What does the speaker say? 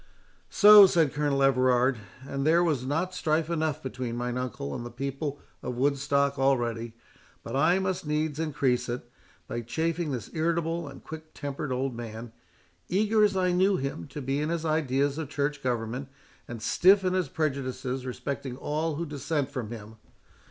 "So!" said Colonel Everard, "and there was not strife enough between mine uncle and the people of Woodstock already, but I must needs increase it, by chafing this irritable and quick tempered old man, eager as I knew him to be in his ideas of church government, and stiff in his prejudices respecting all who dissent from him!